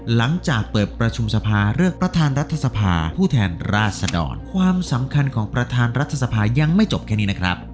หลังจากเปิดประชุมสภาเลือกประธานรัฐสภาผู้แทนราชดรความสำคัญของประธานรัฐสภายังไม่จบแค่นี้นะครับ